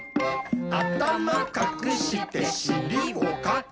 「あたまかくしてしりもかく！」